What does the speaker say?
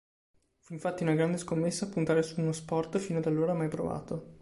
Fu infatti una grande scommessa puntare su uno sport fino ad allora mai provato.